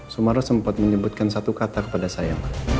sumarro sempat menyebutkan satu kata kepada saya